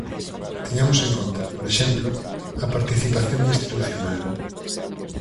Teñamos en conta, por exemplo, a participación institucional.